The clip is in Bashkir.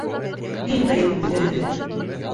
Һин ғәйепле бөтәһенә лә!